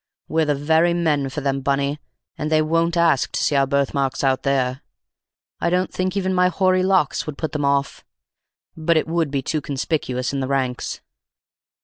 We're the very men for them, Bunny, and they won't ask to see our birthmarks out there. I don't think even my hoary locks would put them off, but it would be too conspicuous in the ranks."